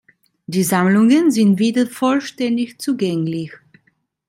Die Sammlungen sind wieder vollständig zugänglich.